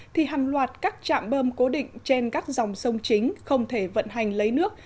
thì hàng loạt các trạm bơm cố định trên các dòng sông chính không thể vận hành lấy nước